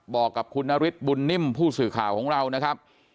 บอกกับคุณนฤทธิบุญนิ่มผู้สื่อข่าวของเรานะครับ